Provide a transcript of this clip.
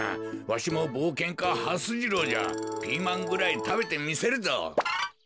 わしもぼうけんかはす次郎じゃピーマンぐらいたべてみせるぞ。